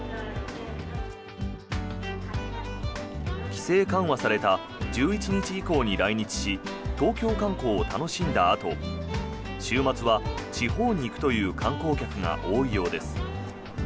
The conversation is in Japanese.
規制緩和された１１日以降に来日し東京観光を楽しんだあと週末は地方に行くという観光客が多いようです。